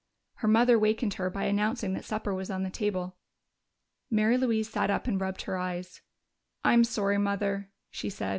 Her mother wakened her by announcing that supper was on the table. Mary Louise sat up and rubbed her eyes. "I'm sorry, Mother," she said.